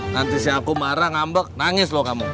nanti si aku marah ngambek nangis loh kamu